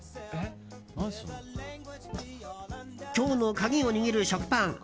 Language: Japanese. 今日の鍵を握る食パン。